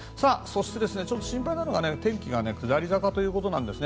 そして、ちょっと心配なのが天気が下り坂ということなんです。